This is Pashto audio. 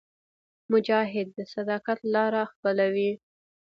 مجاهد د صداقت لاره خپلوي.